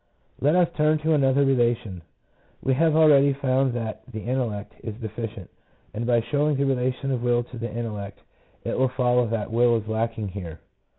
Let us turn to another relation ; we have already found that the intellect 1 is deficient, and by showing the relation of will to the intellect it will follow that will is lacking here.